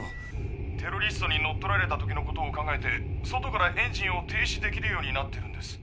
テロリストに乗っ取られた時のことを考えて外からエンジンを停止できるようになってるんです。